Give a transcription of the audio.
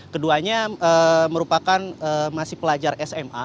keduanya merupakan masih pelajar sma